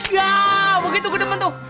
ya begitu ke depan tuh